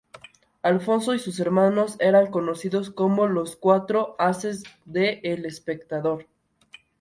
Alfonso y sus hermanos eran conocidos como "Los Cuatro Ases de El Espectador".